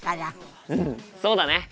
うんそうだね！